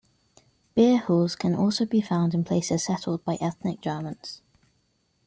Beer halls can also be found in places settled by ethnic Germans.